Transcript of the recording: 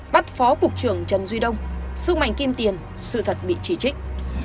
bắt phó cục trưởng trần duy đông sức mạnh kim tiền sự thật bị chỉ trích